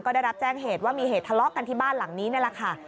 ก็ได้รับแจ้งเหตุว่ามีเหตุทะเลาะกันที่บ้านหลังนี้นี่แหละค่ะ